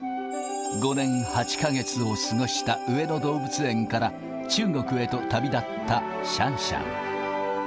５年８か月を過ごした上野動物園から、中国へと旅立ったシャンシャン。